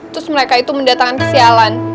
terus mereka itu mendatangkan kesialan